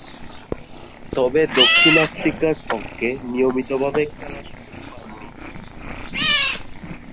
তবে, দক্ষিণ আফ্রিকার পক্ষে নিয়মিতভাবে খেলার সুযোগ পাননি।